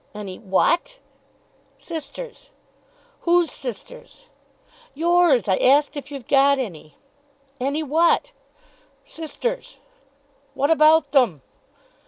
"Any what?" "Sisters." "Whose sisters?" "Yours. I asked if you'd got any." "Any what?" "Sisters." "What about them?"